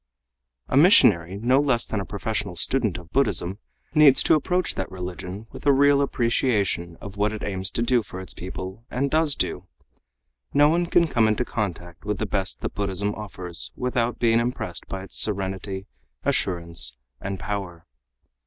A missionary no less than a professional student of Buddhism needs to approach that religion with a real appreciation of what it aims to do for its people and does do. No one can come into contact with the best that Buddhism offers without being impressed by its serenity, assurance and power.